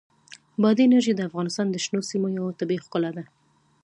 بادي انرژي د افغانستان د شنو سیمو یوه طبیعي ښکلا ده.